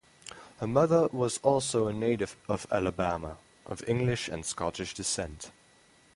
Her mother was also a native of Alabama, of English and Scottish descent.